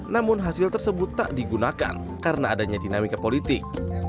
namun hasil tersebut tak digunakan karena adanya dinamika politik